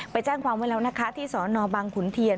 ไปแจ้งความไว้แล้วนะคะที่สนบังขุนเทียน